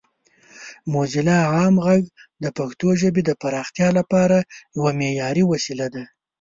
موزیلا عام غږ د پښتو ژبې د پراختیا لپاره یوه معیاري وسیله ده.